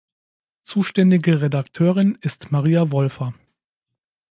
Zuständige Redakteurin ist Maria Wolfer.